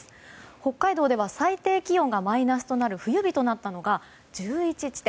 北海道では最低気温がマイナスとなる冬日となったのが１１地点。